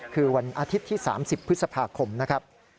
คือวันอาทิตย์ที่๓๐พฤษภาคมนะครับ